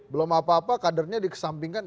belum apa apa kadernya dikesampingkan